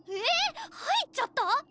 えぇ入っちゃった？